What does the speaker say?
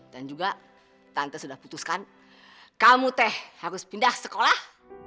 dan juga tante sudah putuskan kamu te harus pindah sekolah